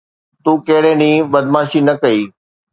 تو ڪھڙي ڏينھن بدمعاشي نه ڪئي؟